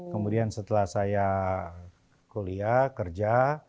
kemudian setelah saya kuliah kerja